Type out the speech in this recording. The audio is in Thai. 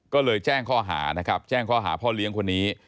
ก็เลยแจ้งข้อหานะครับแจ้งข้อหาพ่อเลี้ยงคนนี้